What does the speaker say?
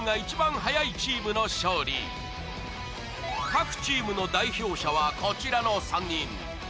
各チームの代表者はこちらの３人